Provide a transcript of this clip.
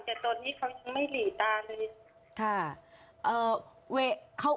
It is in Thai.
แต่ตอนนี้เขายังไม่หลีตาเลยค่ะ